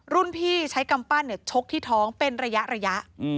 พี่ใช้กำปั้นชกที่ท้องเป็นระยะ